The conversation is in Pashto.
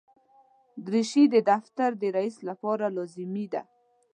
دریشي د دفتر د رئیس لپاره لازمي ده.